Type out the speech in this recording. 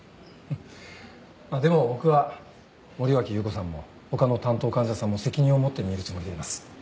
まあでも僕は森脇裕子さんも他の担当患者さんも責任を持って診るつもりでいます。